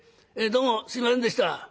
どうもすいませんでした。